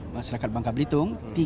masyarakat bangka belitung